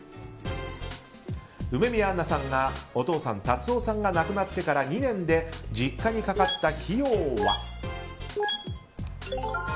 梅宮アンナさんがお父さん・辰夫さんが亡くなってから２年間で実家にかかった費用は？